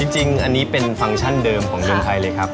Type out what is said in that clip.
จริงอันนี้เป็นฟังก์ชั่นเดิมของเมืองไทยเลยครับ